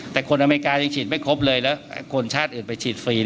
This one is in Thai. แต่คนอเมริกายังฉีดไม่ครบเลยแล้วคนชาติอื่นไปฉีดฟรี